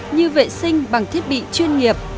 như vệ sinh bằng thiết bị chuyên nghiệp